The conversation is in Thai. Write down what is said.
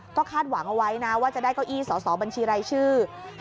ก็คาดหวังเอาไว้นะว่าจะได้เก้าอี้สอสอบัญชีรายชื่อ